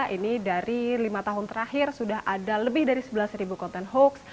ini dari lima tahun terakhir sudah ada lebih dari sebelas konten hoax